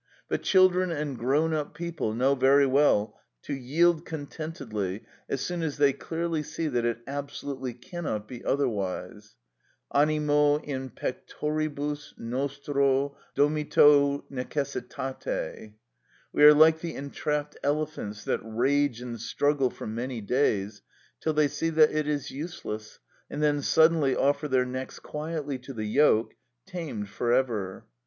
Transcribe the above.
But children and grown up people know very well to yield contentedly as soon as they clearly see that it absolutely cannot be otherwise:—Θυμὸν ἐνὶ στήθεσσι φίλον δαμάσσαντες ἀνάγκη (Animo in pectoribus nostro domito necessitate). We are like the entrapped elephants, that rage and struggle for many days, till they see that it is useless, and then suddenly offer their necks quietly to the yoke, tamed for ever.